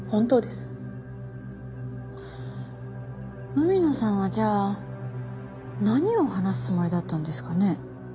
海野さんはじゃあ何を話すつもりだったんですかね？